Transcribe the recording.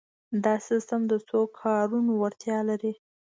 دا سیسټم د څو کارونو وړتیا لري.